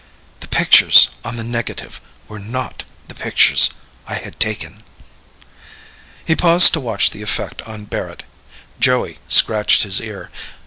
"The pictures on the negative were NOT the pictures I had taken." He paused to watch the effect on Barrett. Joey scratched his ear.